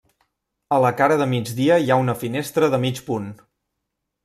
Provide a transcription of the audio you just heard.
A la cara de migdia hi ha una finestra de mig punt.